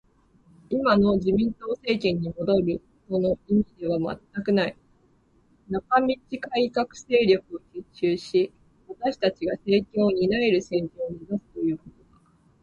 今の自民党政権に戻るとの意味では全くない。中道改革勢力を結集し、私たちが政権を担える政治を目指すということだ